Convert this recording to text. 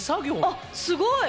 あっすごい！